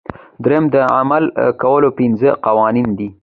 دریم د عمل کولو پنځه قوانین دي.